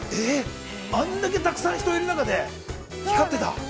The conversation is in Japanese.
◆あんだけたくさん人がいる中で光ってた。